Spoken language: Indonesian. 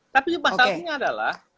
tapi masalahnya adalah